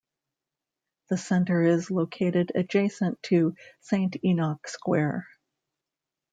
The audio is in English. The centre is located adjacent to Saint Enoch Square.